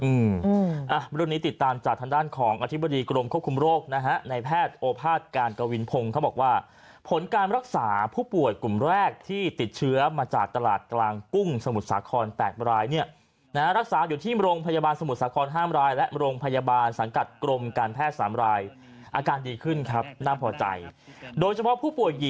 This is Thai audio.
อืมอ่ะเรื่องนี้ติดตามจากทางด้านของอธิบดีกรมควบคุมโรคนะฮะในแพทย์โอภาษการกวินพงศ์เขาบอกว่าผลการรักษาผู้ป่วยกลุ่มแรกที่ติดเชื้อมาจากตลาดกลางกุ้งสมุทรสาครแปดรายเนี่ยนะฮะรักษาอยู่ที่โรงพยาบาลสมุทรสาครห้ามรายและโรงพยาบาลสังกัดกรมการแพทย์สามรายอาการดีขึ้นครับน่าพอใจโดยเฉพาะผู้ป่